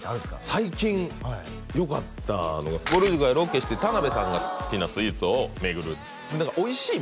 最近よかったのがぼる塾がロケして田辺さんが好きなスイーツを巡るおいしい